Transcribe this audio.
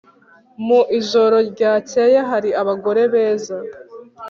Mu ijoro ryakeye hari abagore beza